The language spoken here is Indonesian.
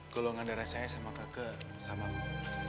golongan darah saya sama kege sama bu